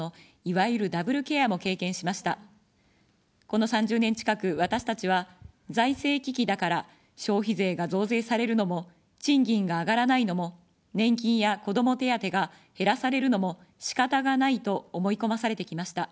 この３０年近く、私たちは、財政危機だから消費税が増税されるのも、賃金が上がらないのも、年金や子ども手当が減らされるのもしかたがないと思い込まされてきました。